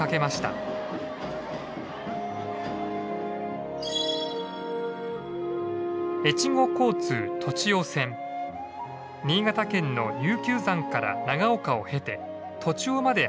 新潟県の悠久山から長岡を経て栃尾まで走りました。